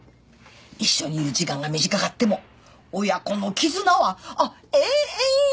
一緒にいる時間が短かっても親子の絆はあっ永遠や！